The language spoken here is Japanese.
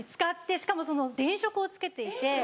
しかも電飾をつけていて。